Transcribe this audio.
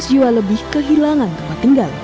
dua ratus jiwa lebih kehilangan tempat tinggal